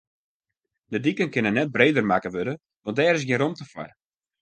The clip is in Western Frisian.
De diken kinne net breder makke wurde, want dêr is gjin romte foar.